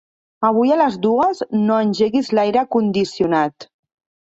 Avui a les dues no engeguis l'aire condicionat.